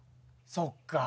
そっか。